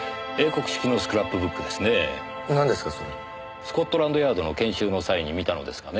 スコットランドヤードの研修の際に見たのですがね